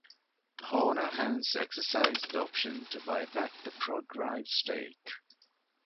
Horner hence exercised the option to buy back the Prodrive stake.